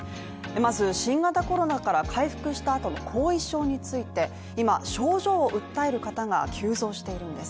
まず新型コロナから回復したあとの後遺症について、今、症状を訴える方が急増しているんです。